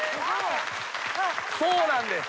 そうなんです。